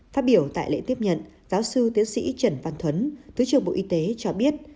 phát biểu tại lễ tiếp nhận giáo sư tiến sĩ trần văn thuấn thứ trưởng bộ y tế cho biết